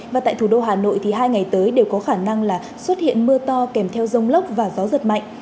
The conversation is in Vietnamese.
và tại thủ đô hà nội thì hai ngày tới đều có khả năng là xuất hiện mưa to kèm theo rông lốc và gió giật mạnh